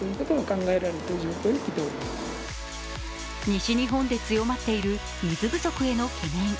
西日本で強まっている水不足への懸念。